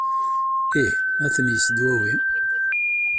Ih, a ten-yessedwawi!